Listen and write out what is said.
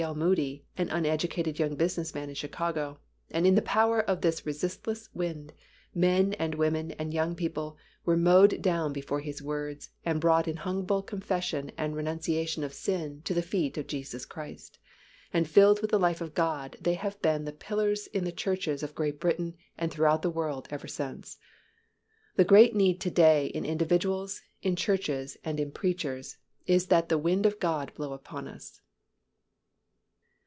L. Moody, an uneducated young business man in Chicago, and in the power of this resistless Wind, men and women and young people were mowed down before his words and brought in humble confession and renunciation of sin to the feet of Jesus Christ, and filled with the life of God they have been the pillars in the churches of Great Britain and throughout the world ever since. The great need to day in individuals, in churches and in preachers is that the Wind of God blow upon us.